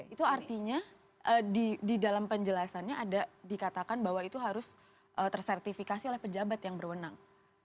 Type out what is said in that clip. itu artinya di dalam penjelasannya ada dikatakan bahwa itu harus tersertifikasi oleh pejabat yang berwenang